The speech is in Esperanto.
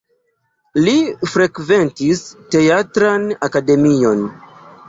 Li frekventis Teatran Akademion.